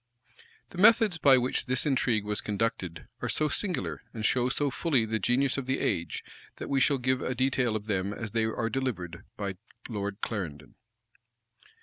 The methods by which this intrigue was conducted are so singular, and show so fully the genius of the age, that we shall give a detail of them as they are delivered by Lord Clarendon.